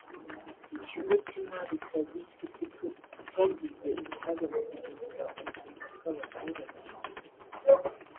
Ikigo cy’Imari cya Gikirisitu cyagize uruhare mu guhindura ubuzima bw’abaturage